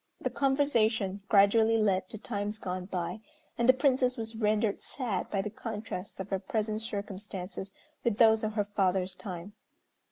The conversation gradually led to times gone by, and the Princess was rendered sad by the contrast of her present circumstances with those of her father's time.